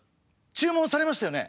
注文されましたよね。